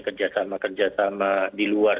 kerja sama kerja sama di luar